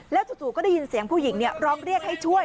จู่ก็ได้ยินเสียงผู้หญิงร้องเรียกให้ช่วย